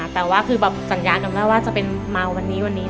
สวัสดีครับก่อนสวัสดีลูก